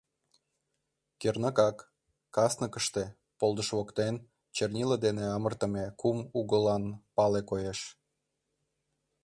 Кернакак, касныкыште, полдыш воктен, чернила дене амыртыме кум угылан пале коеш.